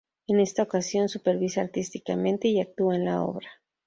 En esta ocasión supervisa artísticamente y actúa en la obra.